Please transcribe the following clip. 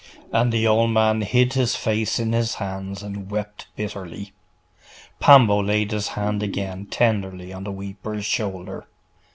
'.... And the old man hid his face in his hands and wept bitterly. Pambo laid his hand again tenderly on the weeper's shoulder.